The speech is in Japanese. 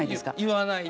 言わないで。